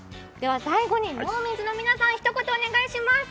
最後にのうみんずの皆さん、ひと言お願いします。